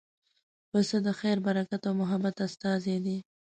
پسه د خیر، برکت او محبت استازی دی.